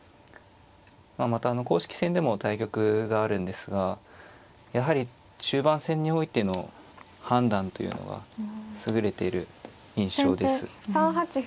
まあまた公式戦でも対局があるんですがやはり中盤戦においての判断というのが優れている印象です。